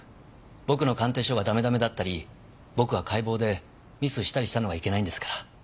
僕の鑑定書がダメダメだったり僕が解剖でミスしたりしたのがいけないんですから。